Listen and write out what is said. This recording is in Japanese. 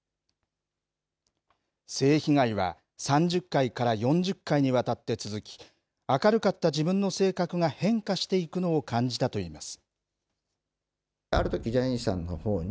性被害は３０回から４０回にわたって続き、明るかった自分の性格が変化していくのを感じたといいます。